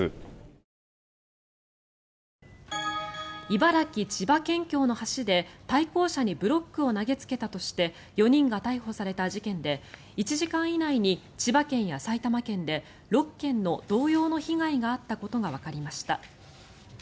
茨城・千葉県境の橋で対向車にブロックを投げつけたとして４人が逮捕された事件で１時間以内に千葉県や埼玉県で６件の同様の被害があったことがわかりました。